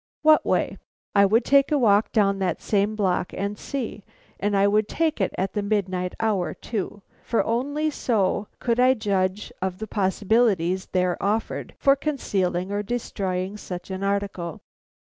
What way? I would take a walk down that same block and see, and I would take it at the midnight hour too, for only so could I judge of the possibilities there offered for concealing or destroying such an article.